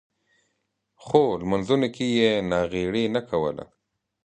خو لمونځونو کې یې ناغېړي نه کوله.